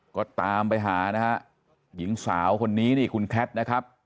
ก็ตามไปหานะฮะหญิงสาวคนนี้นี่คุณแคทนะครับ